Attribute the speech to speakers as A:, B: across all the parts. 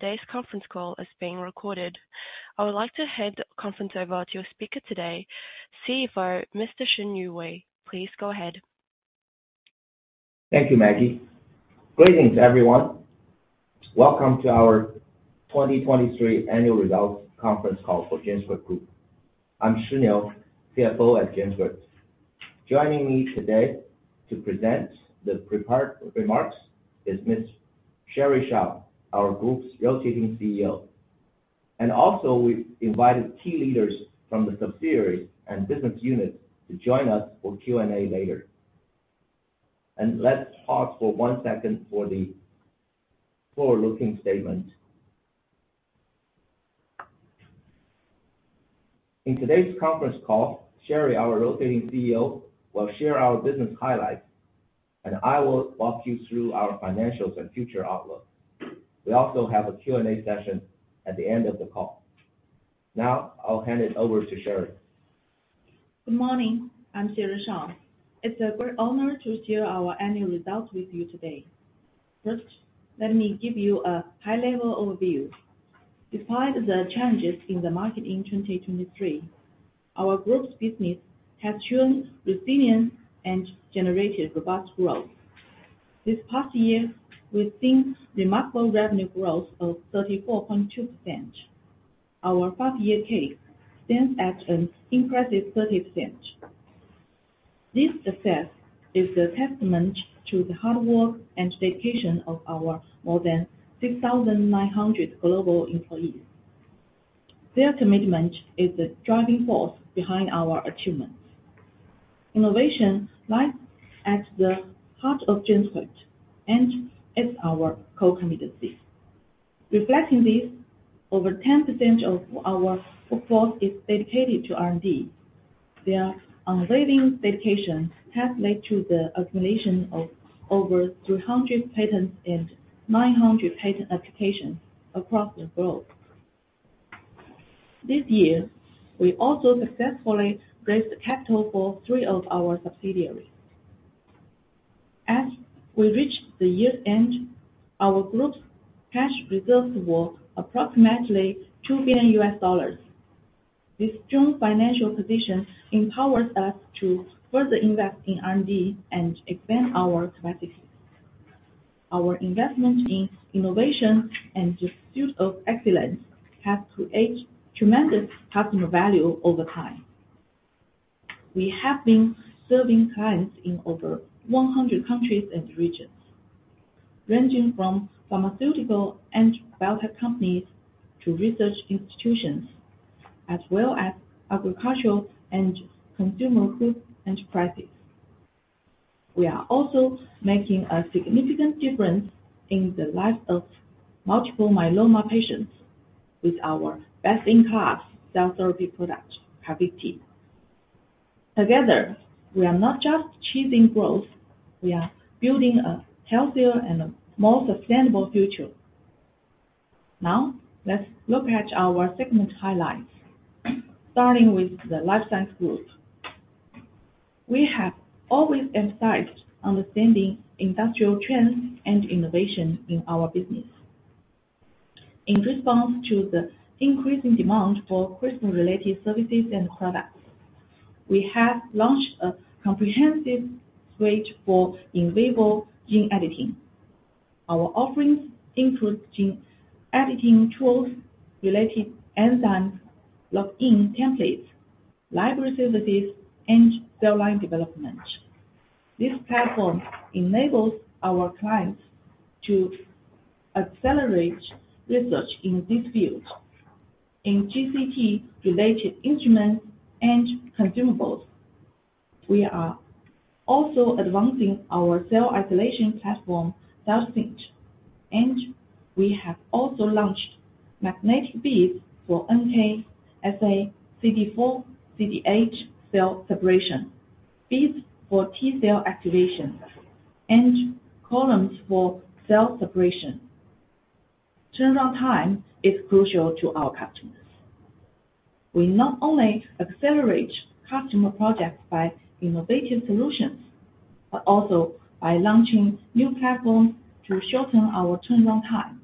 A: This conference call is being recorded. I would like to hand the conference over to your speaker today, CFO Mr. Shiniu Wei. Please go ahead.
B: Thank you, Maggie. Greetings, everyone. Welcome to our 2023 Annual Results Conference Call for GenScript Group. I'm Shiniu, CFO at GenScript. Joining me today to present the prepared remarks is Ms. Sherry Shao, our group's rotating CEO. And also we've invited key leaders from the subsidiaries and business units to join us for Q&A later. And let's pause for one second for the forward-looking statement. In today's conference call, Sherry, our rotating CEO, will share our business highlights, and I will walk you through our financials and future outlook. We also have a Q&A session at the end of the call. Now I'll hand it over to Sherry.
C: Good morning, I'm Sherry Shao. It's a great honor to share our annual results with you today. First, let me give you a high-level overview. Despite the challenges in the market in 2023, our group's business has shown resilience and generated robust growth. This past year, we've seen remarkable revenue growth of 34.2%. Our 5-year CAGR stands at an impressive 30%. This success is a testament to the hard work and dedication of our more than 6,900 global employees. Their commitment is the driving force behind our achievements. Innovation lies at the heart of GenScript, and it's our core commitments. Reflecting this, over 10% of our workforce is dedicated to R&D. Their unwavering dedication has led to the accumulation of over 300 patents and 900 patent applications across the globe. This year, we also successfully raised capital for three of our subsidiaries. As we reached the year's end, our group's cash reserves were approximately $2 billion. This strong financial position empowers us to further invest in R&D and expand our capacities. Our investment in innovation and the pursuit of excellence has created tremendous customer value over time. We have been serving clients in over 100 countries and regions, ranging from pharmaceutical and biotech companies to research institutions, as well as agricultural and consumer food enterprises. We are also making a significant difference in the lives of multiple myeloma patients with our best-in-class cell therapy product, CARVYKTI. Together, we are not just chasing growth. We are building a healthier and a more sustainable future. Now let's look at our segment highlights, starting with the life science group. We have always emphasized understanding industrial trends and innovation in our business. In response to the increasing demand for CRISPR-related services and products, we have launched a comprehensive suite for invisible gene editing. Our offerings include gene editing tools, related enzyme ligation templates, library services, and cell line development. This platform enables our clients to accelerate research in this field. In CGT-related instruments and consumables, we are also advancing our cell isolation platform, CytoSinct, and we have also launched magnetic beads for NK, SA, CD4, CD8 cell separation, beads for T cell activation, and columns for cell separation. Turnaround time is crucial to our customers. We not only accelerate customer projects by innovative solutions but also by launching new platforms to shorten our turnaround time.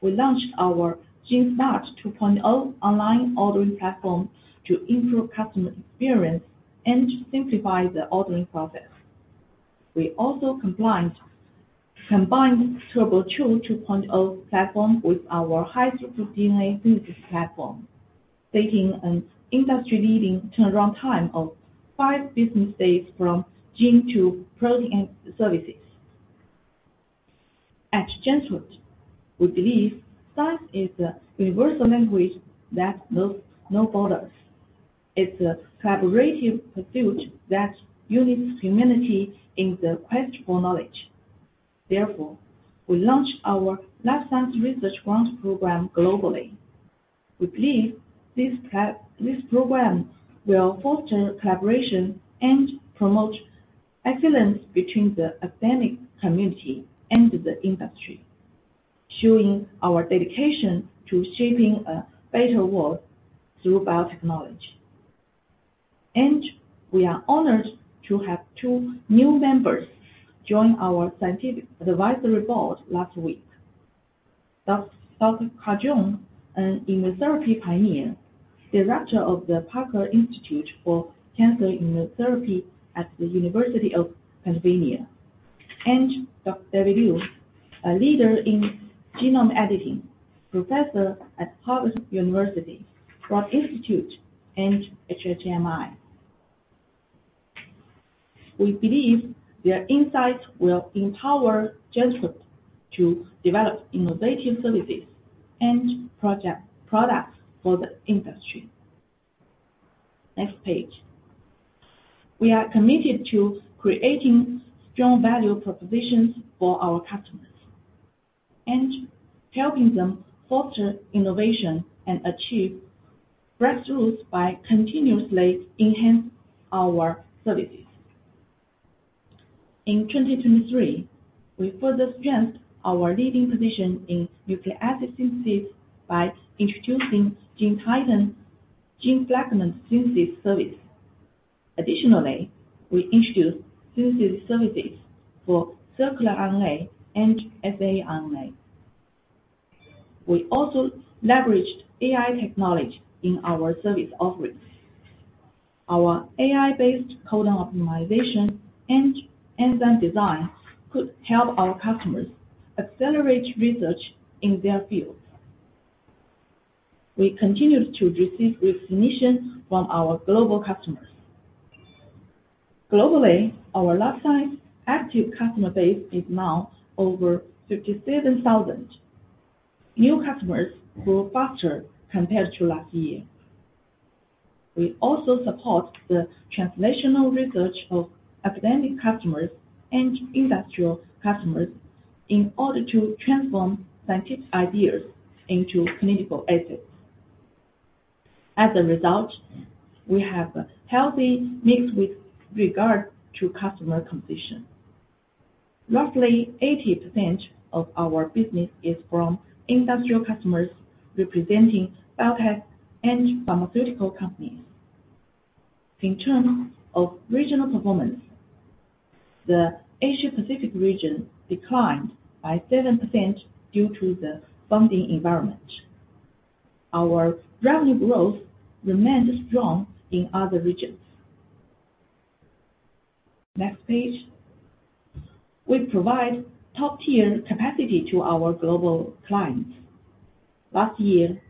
C: We launched our GenSmart 2.0 online ordering platform to improve customer experience and simplify the ordering process. We also combined TurboCHO 2.0 platform with our high-throughput DNA synthesis platform, stating an industry-leading turnaround time of five business days from gene to protein services. At GenScript, we believe science is the universal language that knows no borders. It's a collaborative pursuit that unites humanity in the quest for knowledge. Therefore, we launched our Life Science Research Grant Program globally. We believe this program will foster collaboration and promote excellence between the academic community and the industry, showing our dedication to shaping a better world through biotechnology. We are honored to have two new members join our scientific advisory board last week: Dr. Carl June, an immunotherapy pioneer, director of the Parker Institute for Cancer Immunotherapy at the University of Pennsylvania; and Dr. David Liu, a leader in genome editing, professor at Harvard University, Broad Institute, and HHMI. We believe their insights will empower GenScript to develop innovative services and products for the industry. Next page. We are committed to creating strong value propositions for our customers and helping them foster innovation and achieve breakthroughs by continuously enhancing our services. In 2023, we further strengthened our leading position in nucleic acid synthesis by introducing gene fragment synthesis services. Additionally, we introduced synthesis services for circular RNA and saRNA. We also leveraged AI technology in our service offerings. Our AI-based codon optimization and enzyme design could help our customers accelerate research in their field. We continue to receive recommendations from our global customers. Globally, our life science active customer base is now over 57,000. New customers grew faster compared to last year. We also support the translational research of academic customers and industrial customers in order to transform scientific ideas into clinical assets. As a result, we have a healthy mix with regard to customer composition. Roughly 80% of our business is from industrial customers representing biotech and pharmaceutical companies. In terms of regional performance, the Asia-Pacific region declined by 7% due to the funding environment. Our revenue growth remained strong in other regions. Next page. We provide top-tier capacity to our global clients. Last year,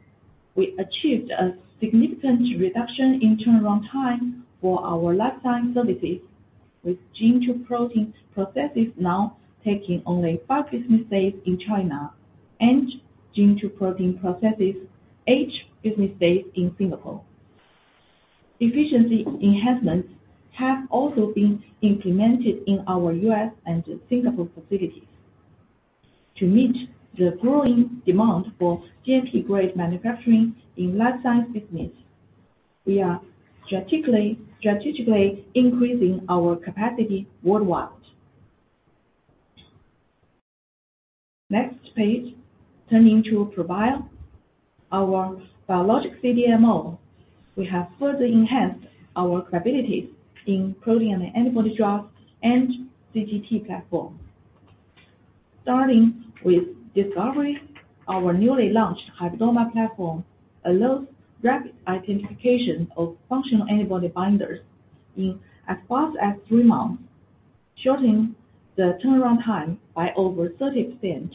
C: we achieved a significant reduction in turnaround time for our life science services, with gene-to-protein processes now taking only five business days in China and gene-to-protein processes eight business days in Singapore. Efficiency enhancements have also been implemented in our U.S. and Singapore facilities. To meet the growing demand for GMP-grade manufacturing in life science business, we are strategically increasing our capacity worldwide. Next page. Turning to ProBio, our biologics CDMO, we have further enhanced our capabilities in protein and antibody drugs and CGT platforms. Starting with Discovery, our newly launched Hybridoma platform allows rapid identification of functional antibody binders in as fast as three months, shortening the turnaround time by over 30%.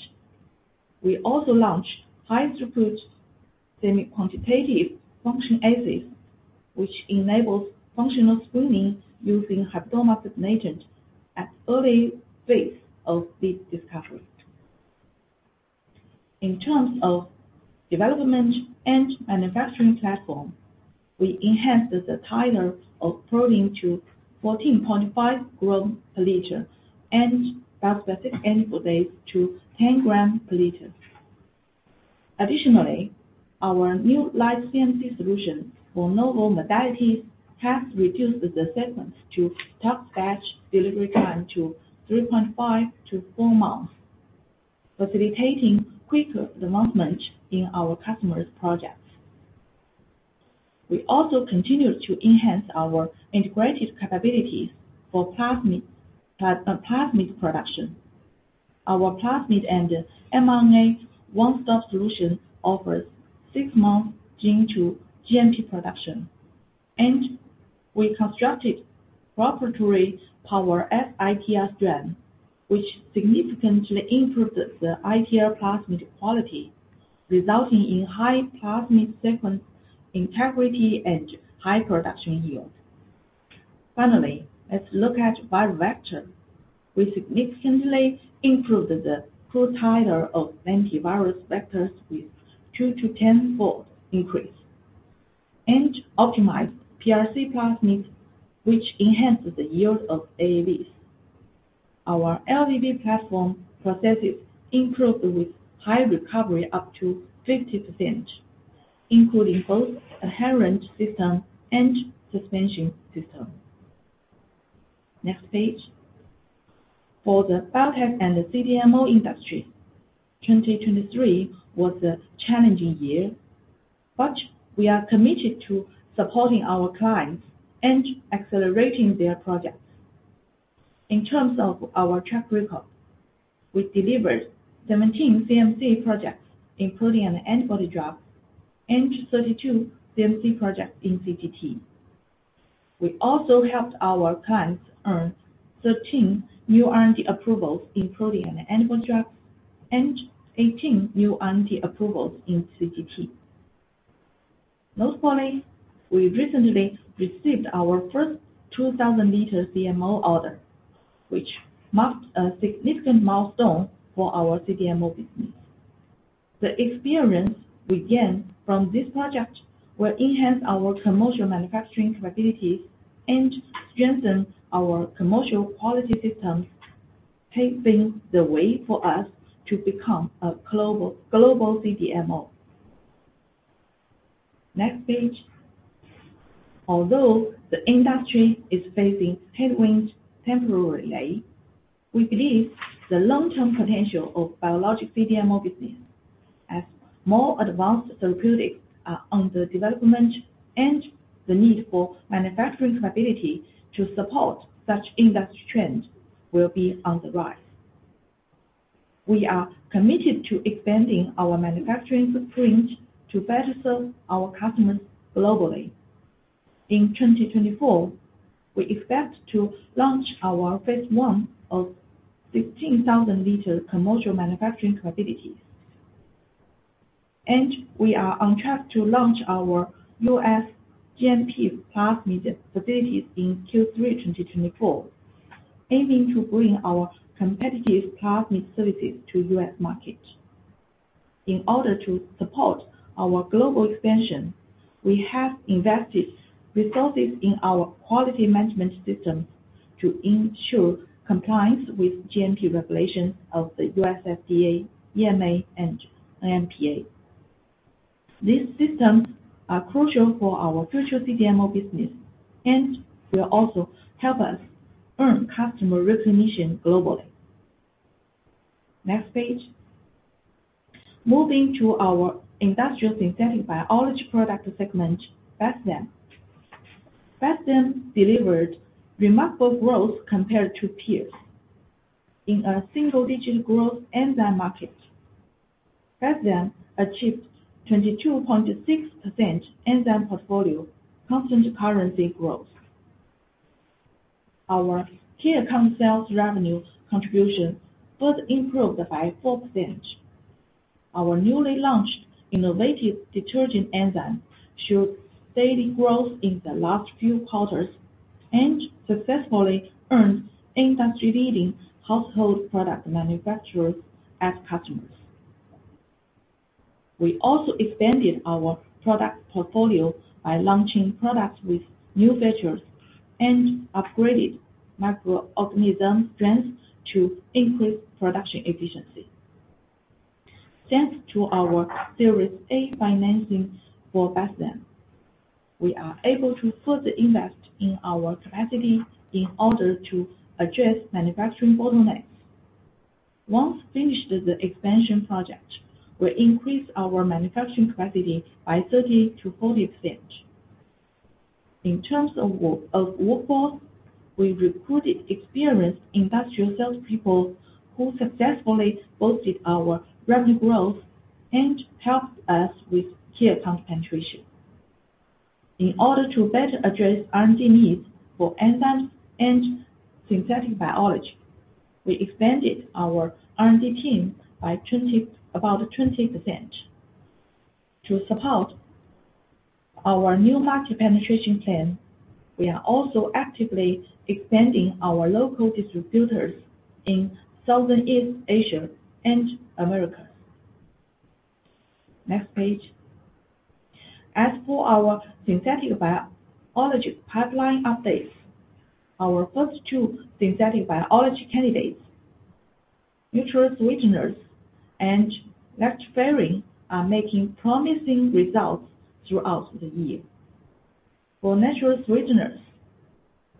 C: We also launched high-throughput semi-quantitative function assays, which enables functional screening using Hybridoma supernatants at the early phase of this discovery. In terms of development and manufacturing platform, we enhanced the titer of protein to 14.5 grams per liter and bispecific antibodies to 10 grams per liter. Additionally, our new Lean CMC solution for novel modalities has reduced the seed-to-tox batch delivery time to 3.5-4 months, facilitating quicker development in our customers' projects. We also continue to enhance our integrated capabilities for plasmid production. Our plasmid and mRNA one-stop solution offers six-month gene-to-GMP production. We constructed proprietary PowerS-ITR strain, which significantly improved the ITR plasmid quality, resulting in high plasmid sequence integrity and high production yield. Finally, let's look at biovector. We significantly improved the AAV titer of AAV vectors with a 2-10-fold increase and optimized pRC plasmids, which enhanced the yield of AAVs. Our LVV platform processes improved with high recovery up to 50%, including both adherent system and suspension system. Next page. For the biotech and CDMO industry, 2023 was a challenging year, but we are committed to supporting our clients and accelerating their projects. In terms of our track record, we delivered 17 CMC projects, including an antibody drug, and 32 CMC projects in CGT. We also helped our clients earn 13 new R&D approvals in protein and antibody drugs and 18 new R&D approvals in CGT. Notably, we recently received our first 2,000-liter CMO order, which marked a significant milestone for our CDMO business. The experience we gained from this project will enhance our commercial manufacturing capabilities and strengthen our commercial quality systems, paving the way for us to become a global CDMO. Next page. Although the industry is facing headwinds temporarily, we believe the long-term potential of biologic CDMO business, as more advanced therapeutics are under development and the need for manufacturing capability to support such industry trends, will be on the rise. We are committed to expanding our manufacturing footprint to better serve our customers globally. In 2024, we expect to launch our phase one of 16,000-liter commercial manufacturing capabilities. We are on track to launch our U.S. GMP plasmid facilities in Q3 2024, aiming to bring our competitive plasmid services to the U.S. market. In order to support our global expansion, we have invested resources in our quality management systems to ensure compliance with GMP regulations of the U.S. FDA, EMA, and NMPA. These systems are crucial for our future CDMO business, and will also help us earn customer recognition globally. Next page. Moving to our industrial synthetic biology product segment, Bestzyme. Bestzyme delivered remarkable growth compared to peers in a single-digit growth enzyme market. Bestzyme achieved 22.6% enzyme portfolio constant currency growth. Our key account sales revenue contribution further improved by 4%. Our newly launched innovative detergent enzyme showed steady growth in the last few quarters and successfully earned industry-leading household product manufacturers as customers. We also expanded our product portfolio by launching products with new features and upgraded microorganism strength to increase production efficiency. Thanks to our Series A financing for Bestzyme, we are able to further invest in our capacity in order to address manufacturing bottlenecks. Once finished the expansion project, we increased our manufacturing capacity by 30%-40%. In terms of workforce, we recruited experienced industrial salespeople who successfully boosted our revenue growth and helped us with key account penetration. In order to better address R&D needs for enzymes and synthetic biology, we expanded our R&D team by about 20%. To support our new market penetration plan, we are also actively expanding our local distributors in Southeast Asia and Americas. Next page. As for our synthetic biology pipeline updates, our first two synthetic biology candidates, Natural Sweeteners and Lactoferrin, are making promising results throughout the year. For Natural Sweeteners,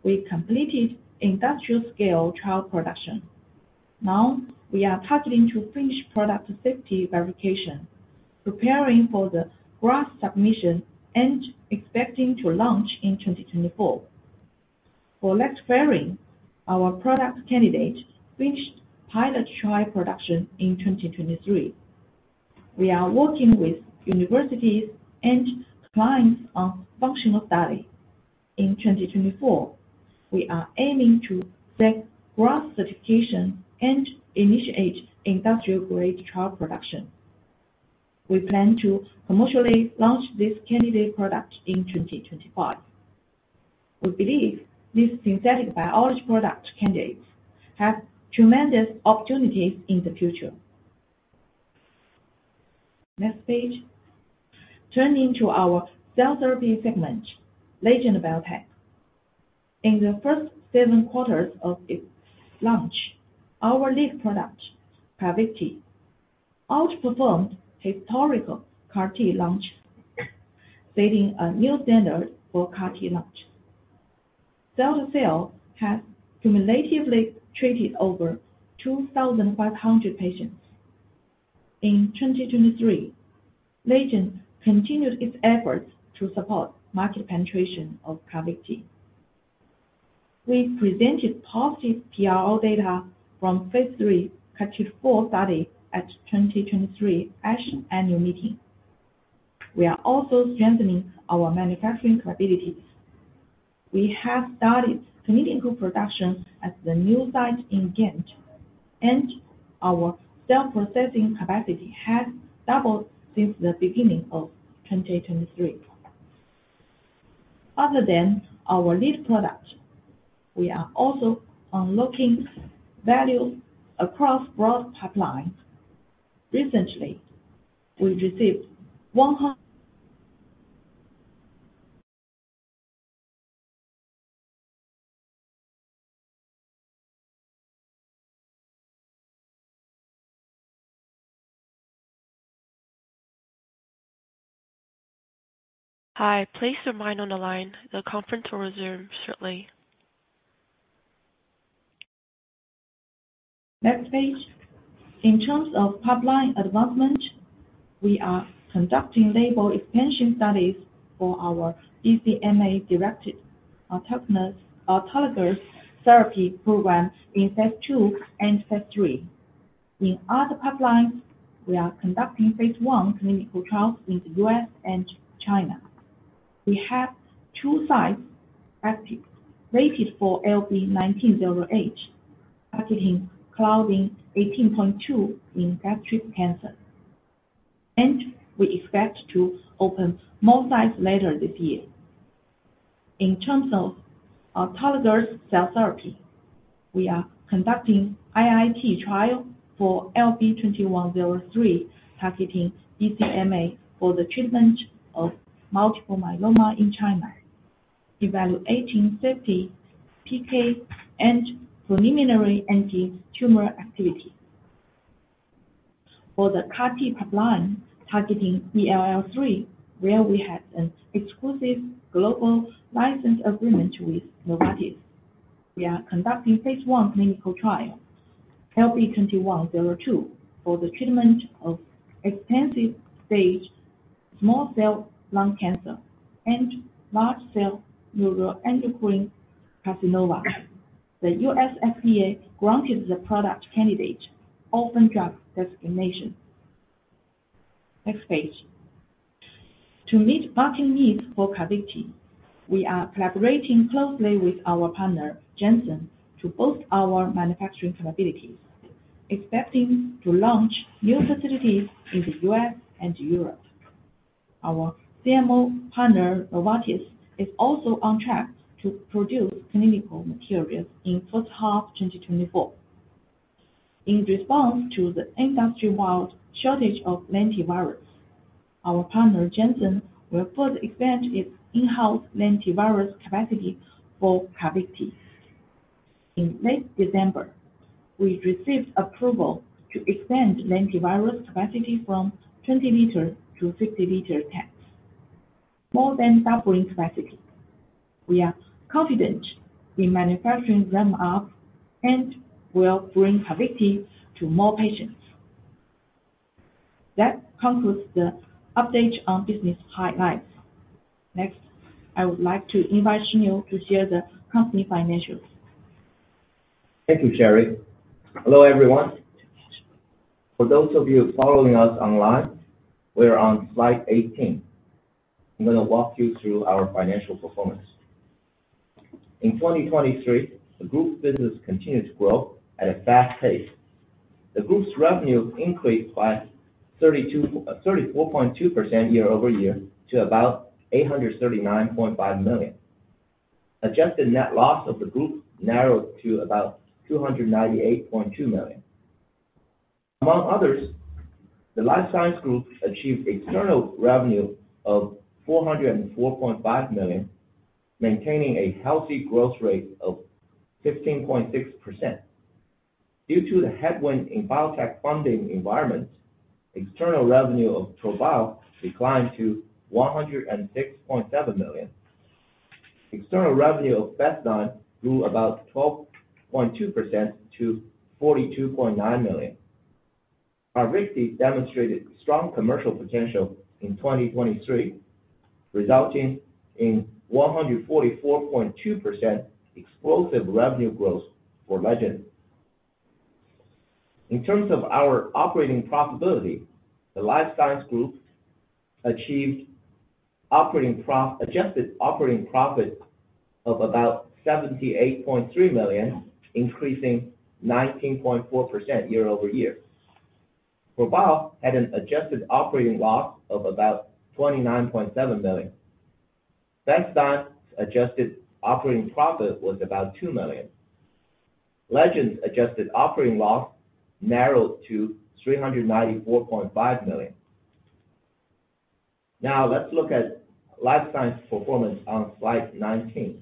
C: we completed industrial-scale trial production. Now we are targeting to finish product safety verification, preparing for the grant submission, and expecting to launch in 2024. For Lactoferrin, our product candidate finished pilot trial production in 2023. We are working with universities and clients on functional study. In 2024, we are aiming to seek grant certification and initiate industrial-grade trial production. We plan to commercially launch this candidate product in 2025. We believe these synthetic biology product candidates have tremendous opportunities in the future. Next page. Turning to our cell therapy segment, Legend Biotech. In the first seven quarters of its launch, our lead product, CARVYKTI, outperformed historical CAR-T launches, setting a new standard for CAR-T launches. CAR-T cells have cumulatively treated over 2,500 patients. In 2023, Legend continued its efforts to support market penetration of CARVYKTI. We presented positive PRO data from phase 3 CARTITUDE study at 2023 ASH annual meeting. We are also strengthening our manufacturing capabilities. We have started committing to production at the new site in Ghent, and our cell processing capacity has doubled since the beginning of 2023. Other than our lead product, we are also unlocking value across broad pipelines. Recently, we received 100. Hi. Please remain on the line the conference will resume shortly. Next page. In terms of pipeline advancement, we are conducting label expansion studies for our BCMA-directed autologous therapy program in phase two and phase three. In other pipelines, we are conducting phase one clinical trials in the U.S. and China. We have two sites active waiting for LB1901, targeting Claudin 18.2 in gastric cancer. We expect to open more sites later this year. In terms of autologous cell therapy, we are conducting IIT trial for LB2103, targeting BCMA for the treatment of multiple myeloma in China, evaluating safety, PK, and preliminary anti-tumor activity. For the CAR-T pipeline, targeting DLL3, where we have an exclusive global license agreement with Novartis, we are conducting phase 1 clinical trial, LB2102, for the treatment of extensive-stage small-cell lung cancer and large-cell neuroendocrine carcinoma. The U.S. FDA granted the product candidate orphan drug designation. Next page. To meet marketing needs for CARVYKTI, we are collaborating closely with our partner, Janssen, to boost our manufacturing capabilities, expecting to launch new facilities in the U.S. and Europe. Our CMO partner, Novartis, is also on track to produce clinical materials in first half 2024. In response to the industry-wide shortage of lentivirus, our partner, Janssen, will further expand its in-house lentivirus capacity for CARVYKTI. In late December, we received approval to expand the antivirus capacity from 20-liter to 50-liter tanks, more than doubling capacity. We are confident in manufacturing ramp-ups and will bring CARVYKTI to more patients. That concludes the update on business highlights. Next, I would like to invite Shiniu to share the company financials.
B: Thank you, Sherry. Hello, everyone. For those of you following us online, we are on slide 18. I'm going to walk you through our financial performance. In 2023, the group's business continued to grow at a fast pace. The group's revenue increased by 34.2% year-over-year to about $839.5 million. Adjusted net loss of the group narrowed to about $298.2 million. Among others, the Life Science Group achieved external revenue of $404.5 million, maintaining a healthy growth rate of 15.6%. Due to the headwind in biotech funding environments, external revenue of ProBio declined to $106.7 million. External revenue of Bestzyme grew about 12.2% to $42.9 million. ProBio demonstrated strong commercial potential in 2023, resulting in 144.2% explosive revenue growth for Legend. In terms of our operating profitability, the Life Science Group achieved adjusted operating profit of about $78.3 million, increasing 19.4% year-over-year. ProBio had an adjusted operating loss of about $29.7 million. Bestzyme's adjusted operating profit was about $2 million. Legend's adjusted operating loss narrowed to $394.5 million. Now, let's look at Life Science performance on slide 19.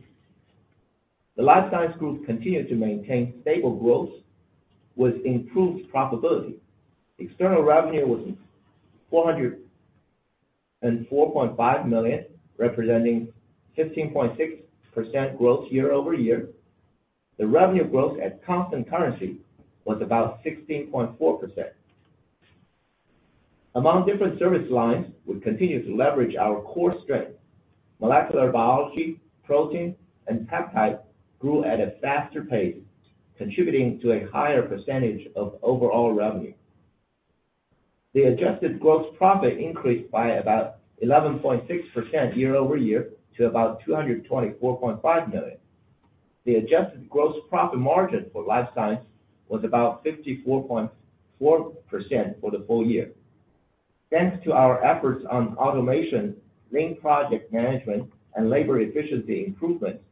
B: The Life Science Group continued to maintain stable growth with improved profitability. External revenue was $404.5 million, representing 15.6% growth year-over-year. The revenue growth at constant currency was about 16.4%. Among different service lines, we continue to leverage our core strength. Molecular biology, protein, and peptide grew at a faster pace, contributing to a higher percentage of overall revenue. The adjusted gross profit increased by about 11.6% year-over-year to about $224.5 million. The adjusted gross profit margin for Life Science was about 54.4% for the full year. Thanks to our efforts on automation, lean project management, and labor efficiency improvements,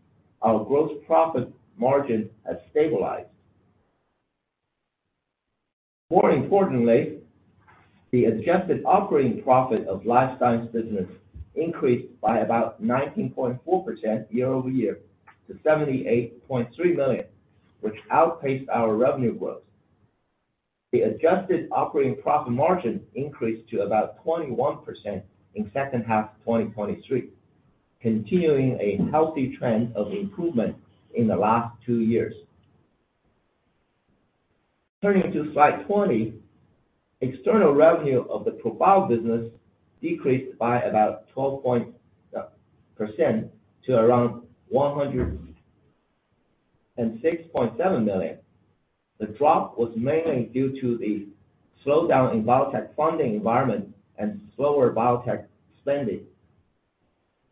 B: our gross profit margin has stabilized. More importantly, the adjusted operating profit of Life Science business increased by about 19.4% year-over-year to $78.3 million, which outpaced our revenue growth. The adjusted operating profit margin increased to about 21% in second half 2023, continuing a healthy trend of improvement in the last two years. Turning to slide 20, external revenue of the ProBio business decreased by about 12.0% to around $106.7 million. The drop was mainly due to the slowdown in biotech funding environment and slower biotech spending.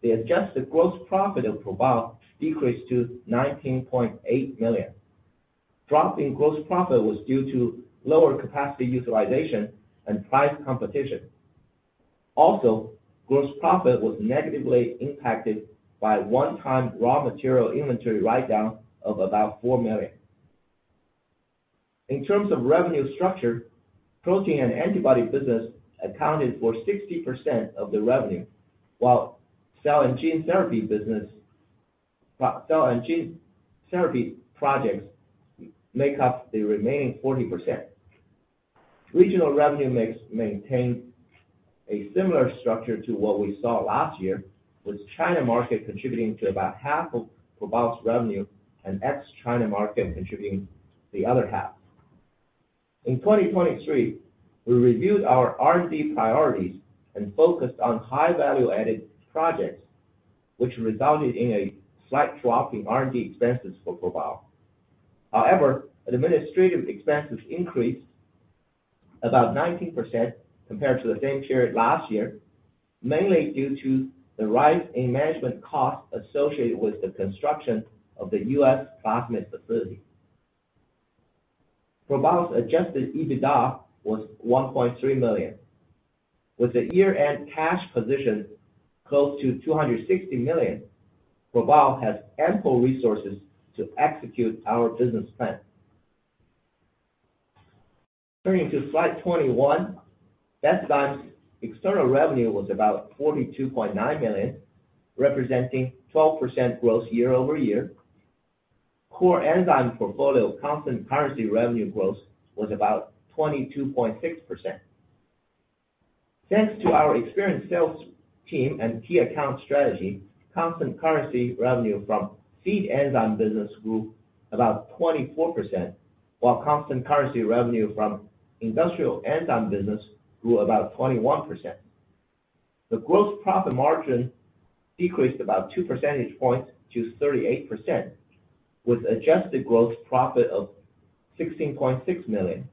B: The adjusted gross profit of ProBio decreased to $19.8 million. Dropping gross profit was due to lower capacity utilization and price competition. Also, gross profit was negatively impacted by one-time raw material inventory write-down of about $4 million. In terms of revenue structure, protein and antibody business accounted for 60% of the revenue, while cell and gene therapy projects make up the remaining 40%. Regional revenue maintains a similar structure to what we saw last year, with China market contributing to about half of ProBio's revenue and ex-China market contributing the other half. In 2023, we reviewed our R&D priorities and focused on high-value-added projects, which resulted in a slight drop in R&D expenses for ProBio. However, administrative expenses increased about 19% compared to the same period last year, mainly due to the rise in management costs associated with the construction of the U.S. plasmid facility. ProBio's adjusted EBITDA was $1.3 million. With a year-end cash position close to $260 million, ProBio has ample resources to execute our business plan. Turning to slide 21, Bestzyme's external revenue was about $42.9 million, representing 12% growth year-over-year. Core enzyme portfolio constant currency revenue growth was about 22.6%. Thanks to our experienced sales team and key account strategy, constant currency revenue from seed enzyme business grew about 24%, while constant currency revenue from industrial enzyme business grew about 21%. The gross profit margin decreased about 2 percentage points to 38%, with adjusted gross profit of $16.6 million.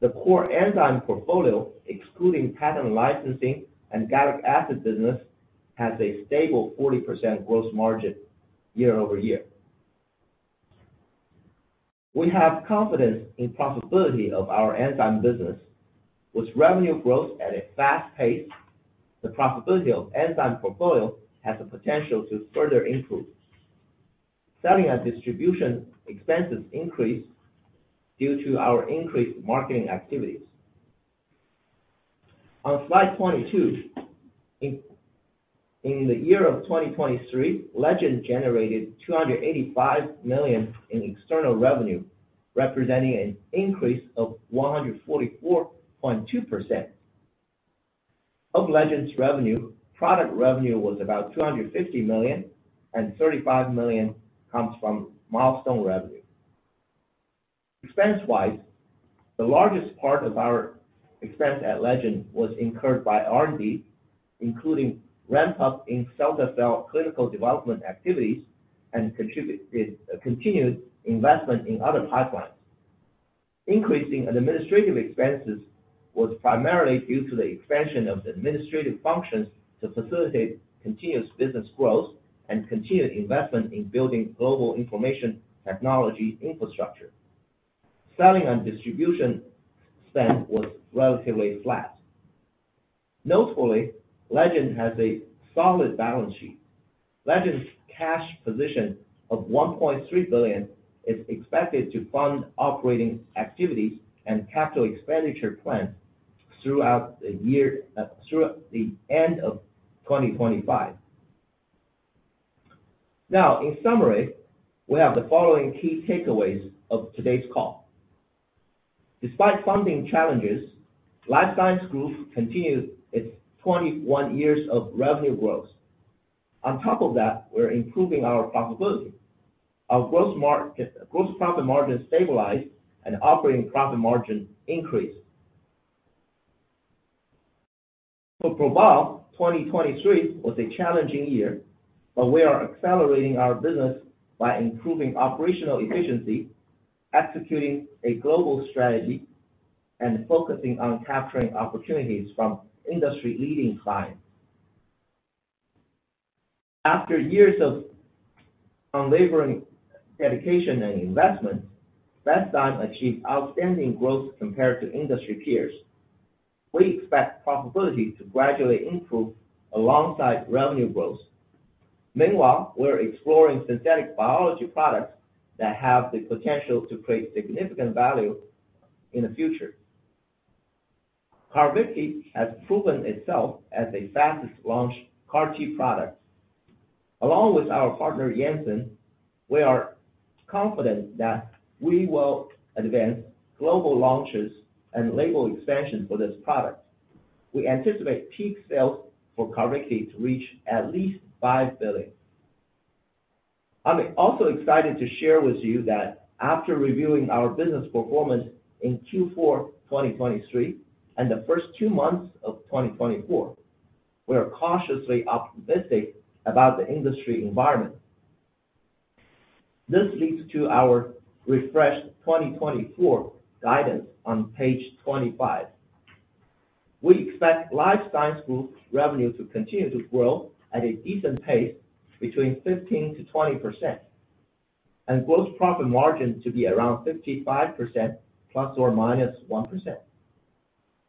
B: The core enzyme portfolio, excluding patent licensing and gallic acid business, has a stable 40% gross margin year-over-year. We have confidence in profitability of our enzyme business. With revenue growth at a fast pace, the profitability of enzyme portfolio has the potential to further improve. Selling and distribution expenses increased due to our increased marketing activities. On slide 22, in the year of 2023, Legend generated $285 million in external revenue, representing an increase of 144.2%. Of Legend's revenue, product revenue was about $250 million, and $35 million comes from milestone revenue. Expense-wise, the largest part of our expense at Legend was incurred by R&D, including ramp-up in cilta-cel clinical development activities and continued investment in other pipelines. Increasing administrative expenses was primarily due to the expansion of the administrative functions to facilitate continuous business growth and continued investment in building global information technology infrastructure. Selling and distribution spend was relatively flat. Notably, Legend has a solid balance sheet. Legend's cash position of $1.3 billion is expected to fund operating activities and capital expenditure plans throughout the end of 2025. Now, in summary, we have the following key takeaways of today's call. Despite funding challenges, Life Science Group continued its 21 years of revenue growth. On top of that, we're improving our profitability. Our gross profit margin stabilized and operating profit margin increased. For ProBio, 2023 was a challenging year, but we are accelerating our business by improving operational efficiency, executing a global strategy, and focusing on capturing opportunities from industry-leading clients. After years of unwavering dedication and investment, Bestzyme achieved outstanding growth compared to industry peers. We expect profitability to gradually improve alongside revenue growth. Meanwhile, we're exploring synthetic biology products that have the potential to create significant value in the future. CARVYKTI has proven itself as the fastest-launched CAR-T product. Along with our partner, Janssen, we are confident that we will advance global launches and label expansion for this product. We anticipate peak sales for CARVYKTI to reach at least $5 billion. I'm also excited to share with you that after reviewing our business performance in Q4 2023 and the first two months of 2024, we are cautiously optimistic about the industry environment. This leads to our refreshed 2024 guidance on page 25. We expect Life Science Group revenue to continue to grow at a decent pace between 15%-20% and gross profit margin to be around 55% ±1%.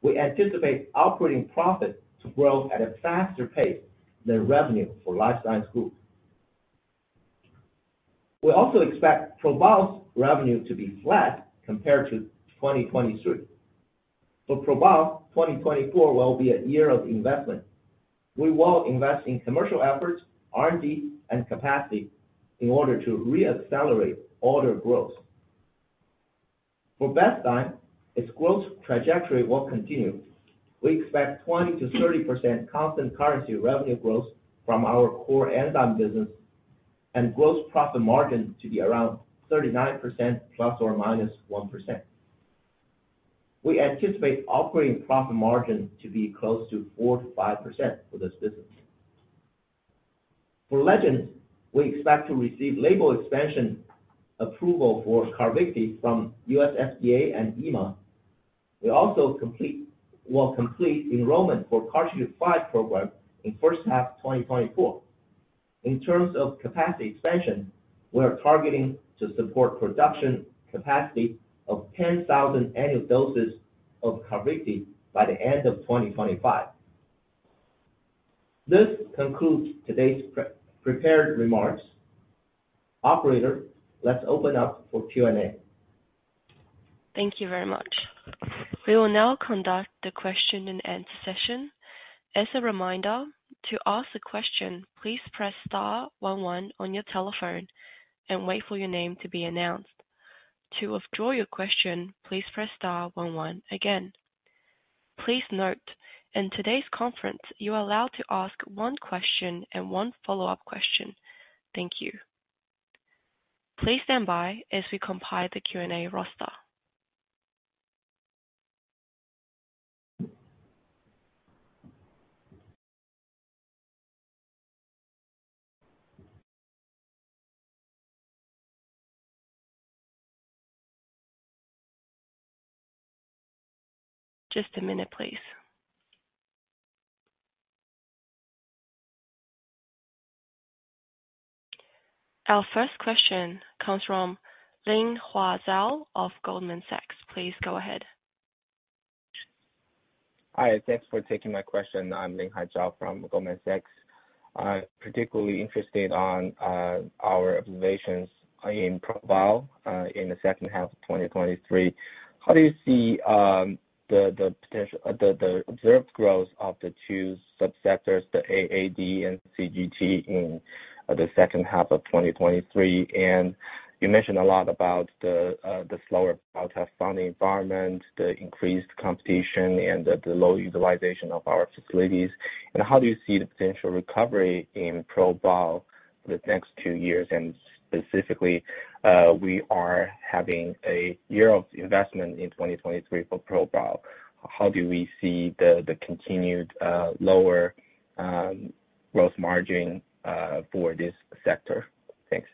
B: We anticipate operating profit to grow at a faster pace than revenue for Life Science Group. We also expect ProBio's revenue to be flat compared to 2023. For ProBio, 2024 will be a year of investment. We will invest in commercial efforts, R&D, and capacity in order to reaccelerate order growth. For Bestzyme, its growth trajectory will continue. We expect 20%-30% constant currency revenue growth from our core enzyme business and gross profit margin to be around 39% ±1%. We anticipate operating profit margin to be close to 4%-5% for this business. For Legend, we expect to receive label expansion approval for Carvykti from U.S. FDA and EMA. We also will complete enrollment for CAR-T5 program in first half 2024. In terms of capacity expansion, we are targeting to support production capacity of 10,000 annual doses of Carvykti by the end of 2025. This concludes today's prepared remarks. Operator, let's open up for Q&A.
A: Thank you very much. We will now conduct the question-and-answer session. As a reminder, to ask a question, please press star one one on your telephone and wait for your name to be announced. To withdraw your question, please press star one one again. Please note, in today's conference, you are allowed to ask one question and one follow-up question. Thank you. Please stand by as we compile the Q&A roster. Just a minute, please. Our first question comes from Lin Hua Zhao of Goldman Sachs. Please go ahead.
D: Hi. Thanks for taking my question. I'm Lin Hua Zhao from Goldman Sachs. I'm particularly interested in our observations in ProBio in the second half of 2023. How do you see the observed growth of the two subsectors, the Antibody Drug and CGT, in the second half of 2023? And you mentioned a lot about the slower biotech funding environment, the increased competition, and the low utilization of our facilities. And how do you see the potential recovery in ProBio for the next two years? And specifically, we are having a year of investment in 2023 for ProBio. How do we see the continued lower gross margin for this sector? Thanks.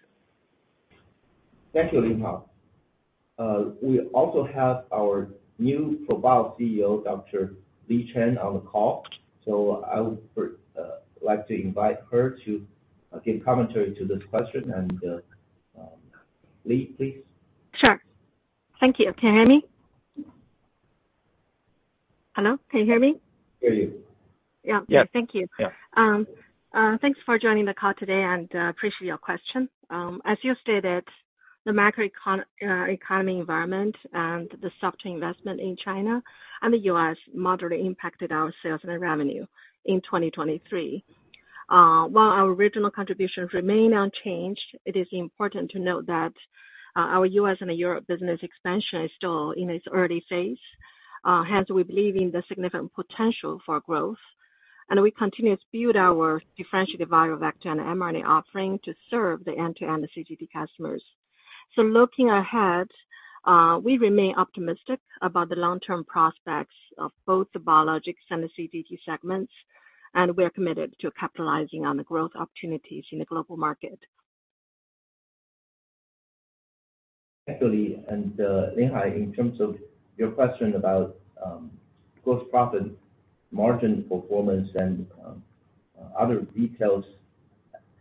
B: Thank you, Lin Hua. We also have our new ProBio CEO, Dr. Li Chen, on the call. So I would like to invite her to give commentary to this question. And Li, please.
A: Sure. Thank you. Can you hear me? Hello? Can you hear me?
D: Hear you.
E: Yeah. Thank you. Thanks for joining the call today, and I appreciate your question. As you stated, the macroeconomic environment and the stock-to-investment in China and the U.S. moderately impacted our sales and revenue in 2023. While our regional contributions remain unchanged, it is important to note that our U.S. and Europe business expansion is still in its early phase. Hence, we believe in the significant potential for growth. We continue to build our differentiated viral vector and mRNA offering to serve the end-to-end CGT customers. Looking ahead, we remain optimistic about the long-term prospects of both the biologics and the CGT segments, and we are committed to capitalizing on the growth opportunities in the global market.
B: Thank you, Li. And Lin Hua, in terms of your question about gross profit margin performance and other details,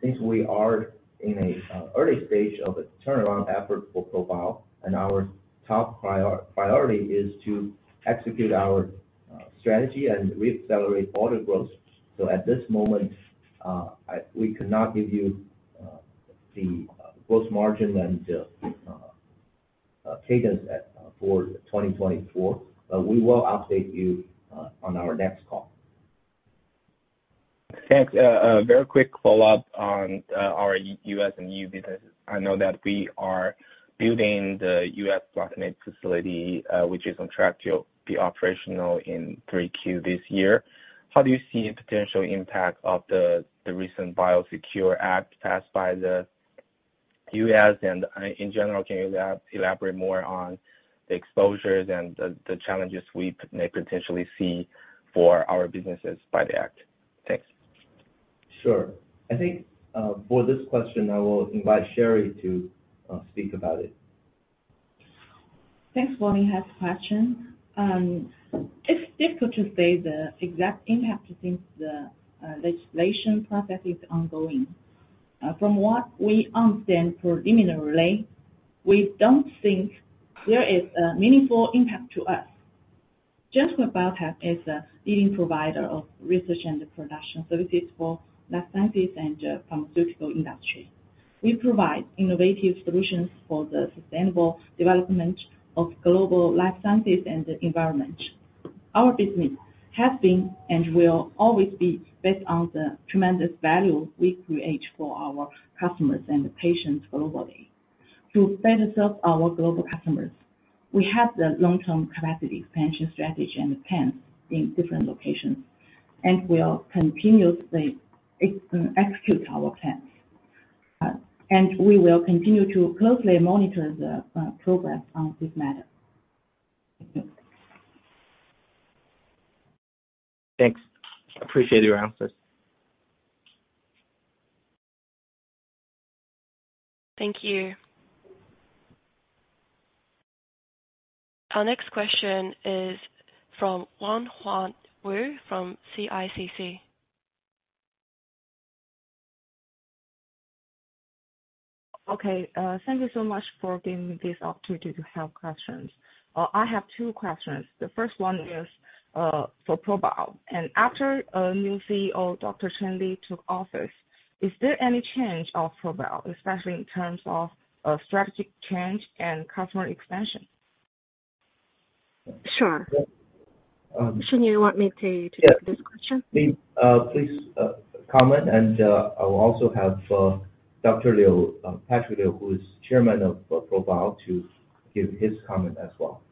B: since we are in an early stage of a turnaround effort for ProBio, and our top priority is to execute our strategy and reaccelerate order growth, so at this moment, we cannot give you the gross margin and cadence for 2024. But we will update you on our next call.
D: Thanks. A very quick follow-up on our U.S. and EU businesses. I know that we are building the U.S. plasmid facility, which is on track to be operational in 3Q this year. How do you see the potential impact of the recent BIOSECURE Act passed by the U.S.? And in general, can you elaborate more on the exposures and the challenges we may potentially see for our businesses by the act? Thanks.
B: Sure. I think for this question, I will invite Sherry to speak about it.
C: Thanks for asking the question. It's difficult to say the exact impact since the legislation process is ongoing. From what we understand preliminarily, we don't think there is a meaningful impact to us. GenScript Biotech is a leading provider of research and production services for life sciences and the pharmaceutical industry. We provide innovative solutions for the sustainable development of global life sciences and the environment. Our business has been and will always be based on the tremendous value we create for our customers and patients globally. To better serve our global customers, we have the long-term capacity expansion strategy and plans in different locations, and we will continuously execute our plans. We will continue to closely monitor the progress on this matter.
D: Thanks. Appreciate your answers.
A: Thank you. Our next question is from Wan Huan Wu from CICC.
F: Okay. Thank you so much for giving me this opportunity to have questions. I have two questions. The first one is for ProBio. After new CEO, Dr. Li Chen, took office, is there any change of ProBio, especially in terms of strategic change and customer expansion?
C: Sure. Shiniu, you want me to take this question?
B: Yeah. Li, please comment. I will also have Dr. Liu, Patrick Liu, who is Chairman of ProBio, to give his comment as well.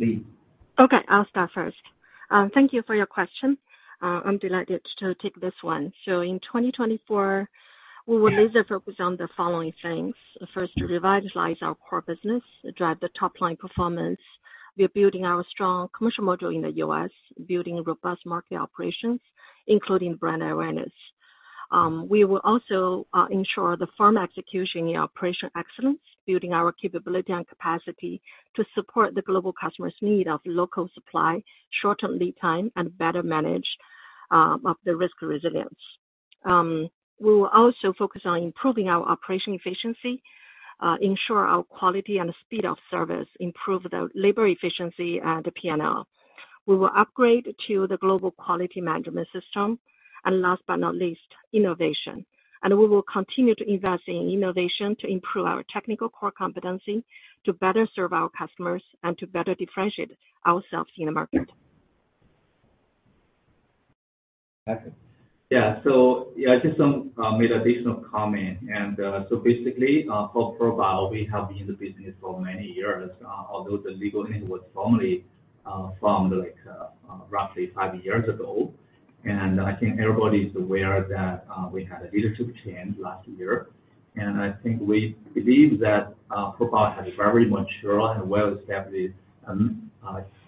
B: Li.
C: Okay. I'll start first. Thank you for your question. I'm delighted to take this one. So in 2024, we will laser-focus on the following things: first, revitalize our core business, drive the top-line performance by building our strong commercial module in the US, building robust market operations, including brand awareness. We will also ensure the firm execution in operational excellence, building our capability and capacity to support the global customer's need of local supply, shorten lead time, and better manage the risk resilience. We will also focus on improving our operational efficiency, ensure our quality and speed of service, improve the labor efficiency, and P&L. We will upgrade to the global quality management system, and last but not least, innovation. We will continue to invest in innovation to improve our technical core competency, to better serve our customers, and to better differentiate ourselves in the market.
B: Okay. Yeah. So I just made an additional comment. And so basically, for ProBio, we have been in the business for many years, although the legal entity was formally founded roughly 5 years ago. And I think everybody is aware that we had a leadership change last year. And I think we believe that ProBio has a very mature and well-established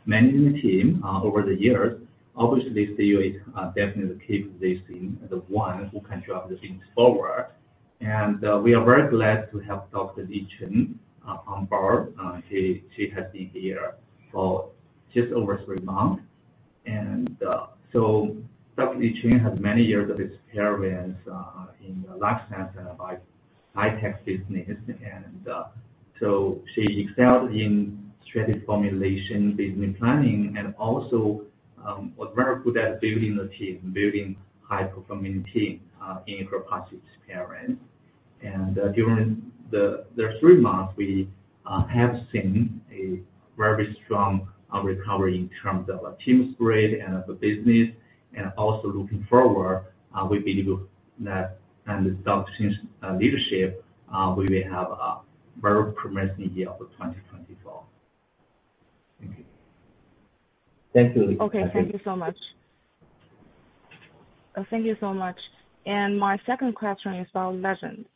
B: management team over the years. Obviously, CEO is definitely keeping this. The one who can drive the things forward. And we are very glad to have Dr. Li Chen on board. She has been here for just over three months. And so Dr. Li Chen has many years of experience in the life science and high-tech business. And so she excelled in strategy formulation, business planning, and also was very good at building a team, building a high-performing team in her past experience. During the three months, we have seen a very strong recovery in terms of team spirit and of the business. Also looking forward, we believe that under Dr. Chen's leadership, we will have a very promising year for 2024. Thank you.
F: Thank you, Li. Okay. Thank you so much. Thank you so much. My second question is about Legend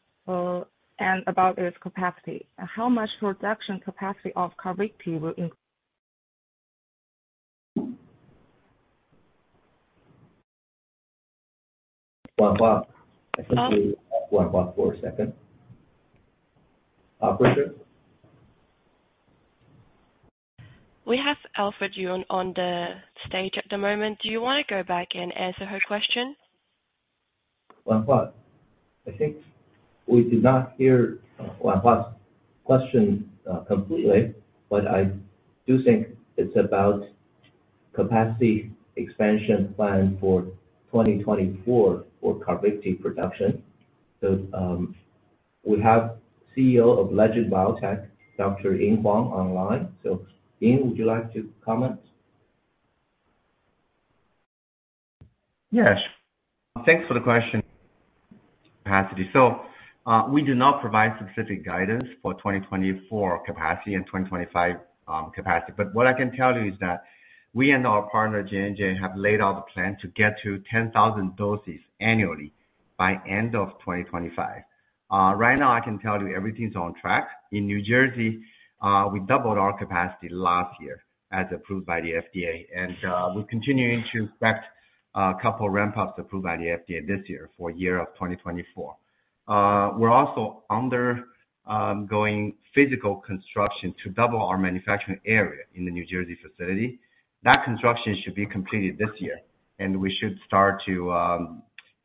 F: and about its capacity. How much production capacity of Carvykti will include?
C: Wan Huan, I think you went off for a second. Alfredo?
A: We have Alfredo on the stage at the moment. Do you want to go back and answer her question?
B: Wan Huan, I think we did not hear Wan Huan's question completely, but I do think it's about capacity expansion plan for 2024 for CARVYKTI production. So we have CEO of Legend Biotech, Dr. Ying Huang, online. So Ying, would you like to comment?
G: Yes. Thanks for the question. Capacity. So we do not provide specific guidance for 2024 capacity and 2025 capacity. But what I can tell you is that we and our partner, Janssen, have laid out a plan to get to 10,000 doses annually by end of 2025. Right now, I can tell you everything's on track. In New Jersey, we doubled our capacity last year as approved by the FDA. And we're continuing to expect a couple of ramp-ups approved by the FDA this year for year of 2024. We're also undergoing physical construction to double our manufacturing area in the New Jersey facility. That construction should be completed this year. And we should start to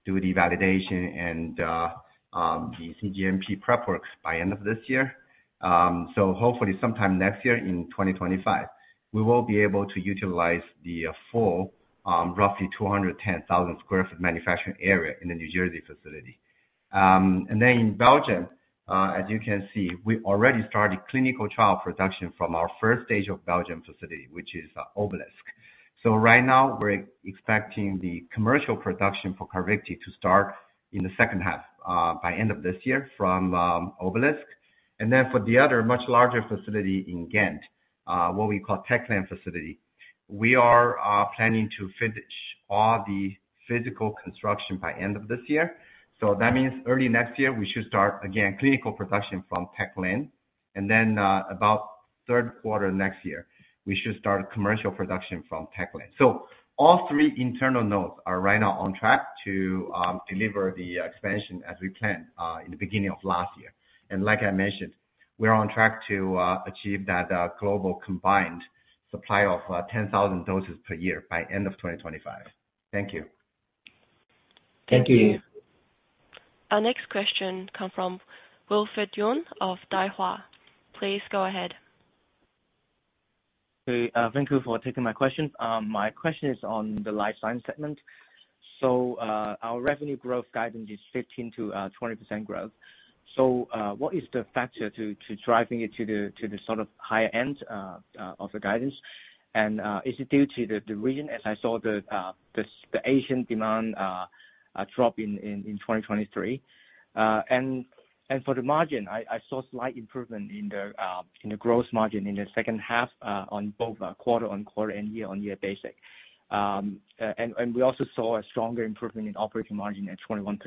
G: do the validation and the CGMP prep works by end of this year. Hopefully, sometime next year in 2025, we will be able to utilize the full, roughly 210,000 sq ft manufacturing area in the New Jersey facility. In Belgium, as you can see, we already started clinical trial production from our first stage of Belgium facility, which is Obelisc. Right now, we're expecting the commercial production for Carvykti to start in the second half by end of this year from Obelisk. For the other much larger facility in Ghent, what we call Tech Lane facility, we are planning to finish all the physical construction by end of this year. That means early next year, we should start, again, clinical production from Tech Lane. About third quarter next year, we should start commercial production from Tech Lane. All three internal nodes are right now on track to deliver the expansion as we planned in the beginning of last year. Like I mentioned, we're on track to achieve that global combined supply of 10,000 doses per year by end of 2025. Thank you.
F: Thank you.
A: Our next question comes from Wilfred Yuen of Daiwa. Please go ahead.
H: Okay. Thank you for taking my question. My question is on the life science segment. So our revenue growth guidance is 15%-20% growth. So what is the factor driving it to the sort of higher end of the guidance? And is it due to the region, as I saw the Asian demand drop in 2023? And for the margin, I saw slight improvement in the gross margin in the second half on both quarter-on-quarter and year-on-year basis. And we also saw a stronger improvement in operating margin at 21%.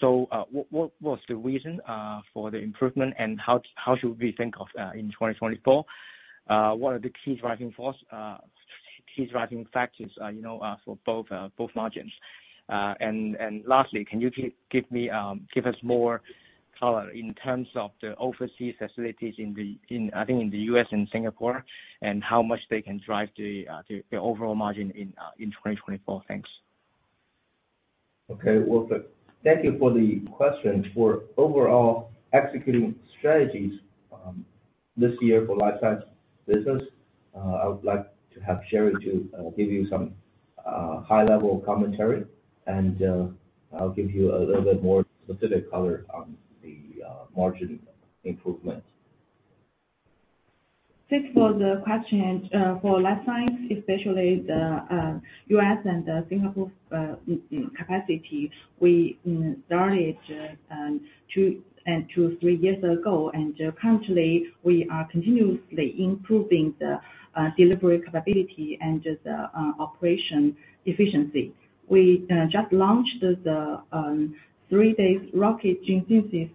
H: So what's the reason for the improvement, and how should we think of in 2024? What are the key driving factors for both margins? And lastly, can you give us more color in terms of the overseas facilities, I think, in the US and Singapore, and how much they can drive the overall margin in 2024? Thanks.
B: Okay. Wilfred, thank you for the question. For overall executing strategies this year for life science business, I would like to have Sherry to give you some high-level commentary. And I'll give you a little bit more specific color on the margin improvement.
C: Thanks for the question. For life science, especially the U.S. and Singapore capacity, we started 2-3 years ago. Currently, we are continuously improving the delivery capability and the operation efficiency. We just launched the three-day rocket gene synthesis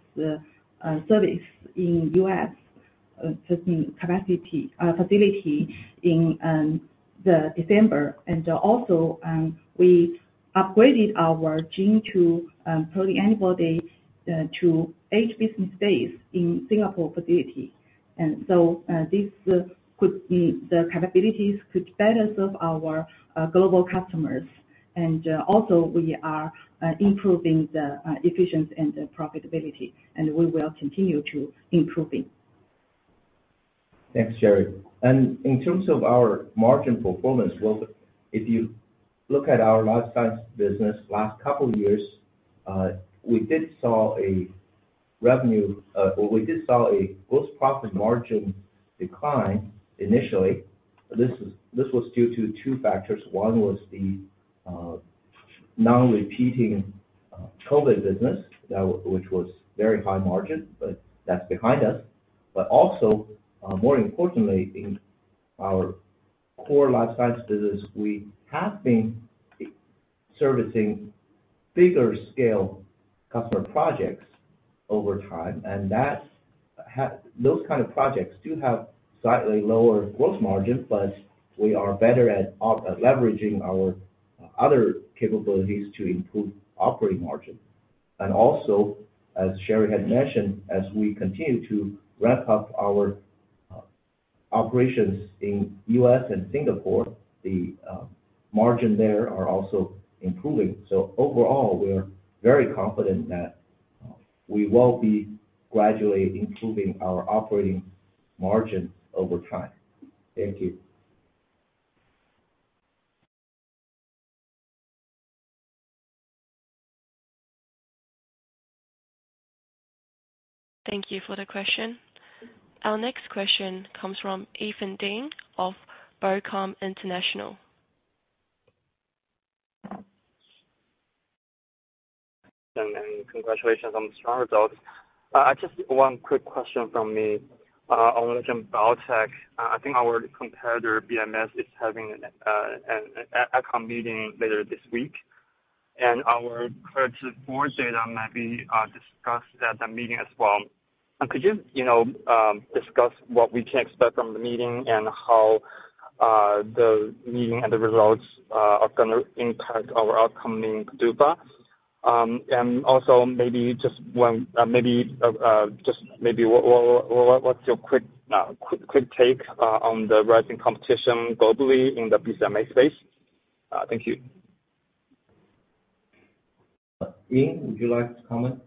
C: service in the U.S. facility in December. We also upgraded our gene-to-protein antibody to 8 business days in the Singapore facility. So the capabilities could better serve our global customers. We are also improving the efficiency and the profitability. We will continue to improve it.
B: Thanks, Sherry. In terms of our margin performance, Wilfred, if you look at our life science business last couple of years, we did saw a gross profit margin decline initially. This was due to two factors. One was the non-repeating COVID business, which was very high margin, but that's behind us. But also, more importantly, in our core life science business, we have been servicing bigger-scale customer projects over time. And those kinds of projects do have slightly lower gross margin, but we are better at leveraging our other capabilities to improve operating margin. And also, as Sherry had mentioned, as we continue to ramp up our operations in the U.S. and Singapore, the margin there is also improving. Overall, we are very confident that we will be gradually improving our operating margin over time. Thank you.
A: Thank you for the question. Our next question comes from Ethan Ding of Bocom International.
I: Congratulations on the strong results. I just have one quick question from me. On Legend Biotech, I think our competitor, BMS, is having an adcom meeting later this week. Our CARTITUDE-4 data might be discussed at that meeting as well. Could you discuss what we can expect from the meeting and how the meeting and the results are going to impact our upcoming PDUFA? Also maybe just maybe just maybe what's your quick take on the rising competition globally in the BCMA space? Thank you.
B: Ying, would you like to comment?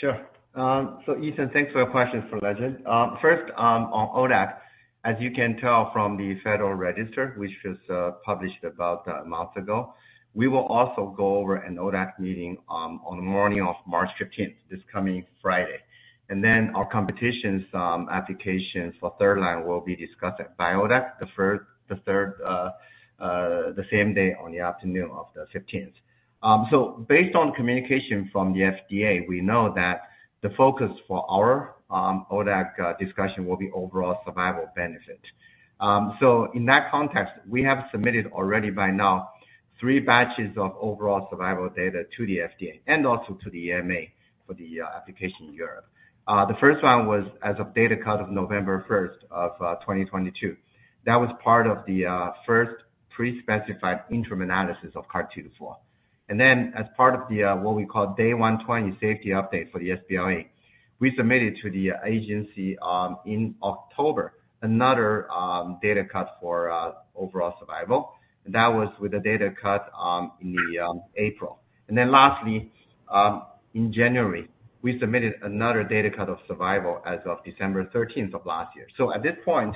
G: Sure. So Ethan, thanks for your questions for Legend. First, on ODAC, as you can tell from the Federal Register, which was published about a month ago, we will also go over an ODAC meeting on the morning of March 15th, this coming Friday. Then our competition's applications for third line will be discussed at ODAC, the third the same day on the afternoon of the 15th. So based on communication from the FDA, we know that the focus for our ODAC discussion will be overall survival benefit. So in that context, we have submitted already by now three batches of overall survival data to the FDA and also to the EMA for the application in Europe. The first one was as of data cut of November 1st of 2022. That was part of the first pre-specified interim analysis of CAR-T24. And then as part of what we call day 120 safety update for the sBLA, we submitted to the agency in October another data cut for overall survival. And that was with the data cut in April. And then lastly, in January, we submitted another data cut of survival as of December 13th of last year. So at this point,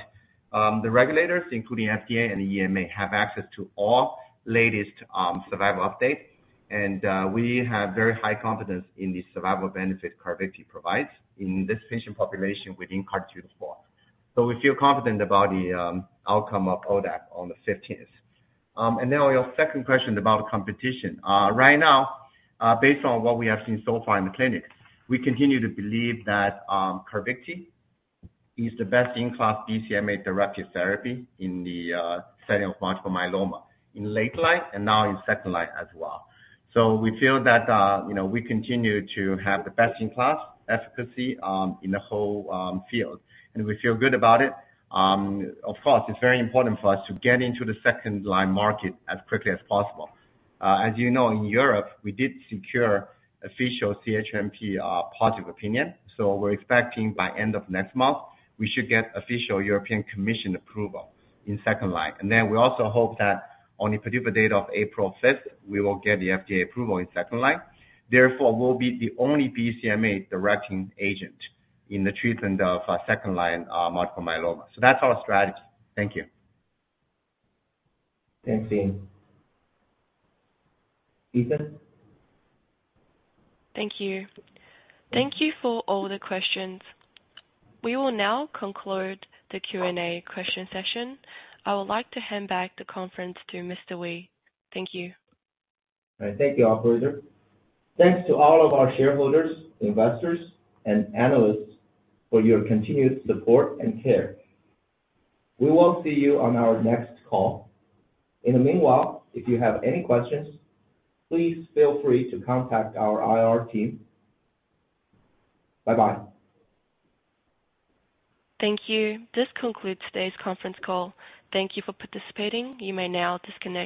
G: the regulators, including FDA and the EMA, have access to all latest survival updates. And we have very high confidence in the survival benefit CARVYKTI provides in this patient population within CAR-T24. So we feel confident about the outcome of ODAC on the 15th. And now your second question about competition. Right now, based on what we have seen so far in the clinic, we continue to believe that Carvykti is the best-in-class BCMA-directed therapy in the setting of multiple myeloma in late line and now in second line as well. So we feel that we continue to have the best-in-class efficacy in the whole field. And we feel good about it. Of course, it's very important for us to get into the second line market as quickly as possible. As you know, in Europe, we did secure official CHMP positive opinion. So we're expecting by end of next month, we should get official European Commission approval in second line. And then we also hope that on the PDUFA date of April 5th, we will get the FDA approval in second line. Therefore, we'll be the only BCMA-directed agent in the treatment of second line multiple myeloma. That's our strategy. Thank you.
B: Thanks, Ying. Ethan?
A: Thank you. Thank you for all the questions. We will now conclude the Q&A question session. I would like to hand back the conference to Mr. Wei. Thank you.
B: All right. Thank you, operator. Thanks to all of our shareholders, investors, and analysts for your continued support and care. We will see you on our next call. In the meanwhile, if you have any questions, please feel free to contact our IR team. Bye-bye.
A: Thank you. This concludes today's conference call. Thank you for participating. You may now disconnect.